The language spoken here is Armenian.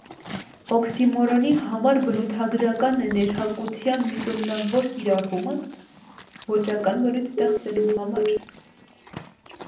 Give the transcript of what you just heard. Օքսիմորոնի համար բնութագրական է ներհակության միտումնավոր կիրառումը ոճական բնույթ ստեղծելու համար։